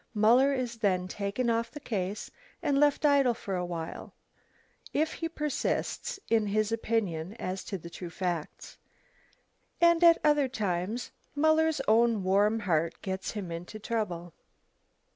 Muller is then taken off the case, and left idle for a while if he persists in his opinion as to the true facts. And at other times, Muller's own warm heart gets him into trouble.